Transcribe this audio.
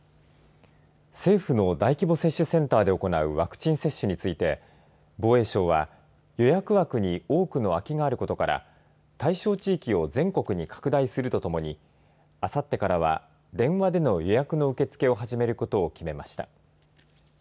政府の大規模接種センターで行うワクチン接種について防衛省は、予約枠に多くの空きがあることから対象地域を全国に拡大するとともにあさってからは電話での予約の受け付けを始めることを決めました。